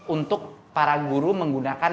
untuk para guru menggunakan